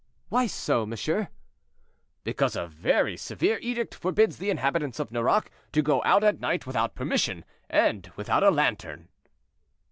"Why so, monsieur?" "Because a very severe edict forbids the inhabitants of Nerac to go out at night without permission and without a lantern."